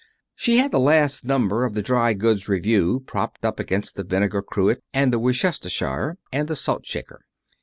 She had the last number of the Dry Goods Review propped up against the vinegar cruet and the Worcestershire, and the salt shaker.